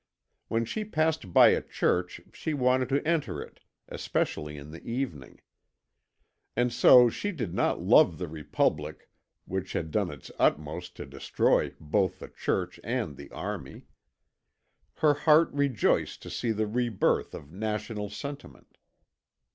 When she passed by a church she wanted to enter it, especially in the evening. And so she did not love the Republic which had done its utmost to destroy both the Church and the Army. Her heart rejoiced to see the re birth of national sentiment.